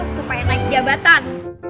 supaya naik jabatan